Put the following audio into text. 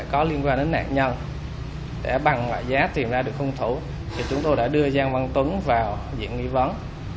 có liên quan đến nạn nhân để bằng loại giá tìm ra được hung thủ thì chúng tôi đã đưa giang văn tuấn vào diện nghi vấn